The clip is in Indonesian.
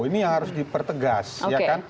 ini yang harus dipertegas